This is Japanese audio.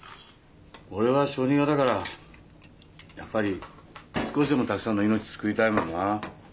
俺は小児科だからやっぱり少しでもたくさんの命救いたいもんな。